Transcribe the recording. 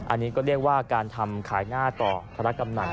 อันนี้ก็เรียกว่าการทำขายหน้าต่อคณะกำนัน